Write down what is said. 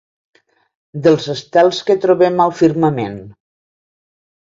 Dels estels que trobem al firmament.